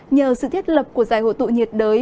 nhờ sự thiết lập của dài hộ tụ nhiệt đới